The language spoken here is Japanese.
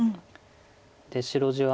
で白地は。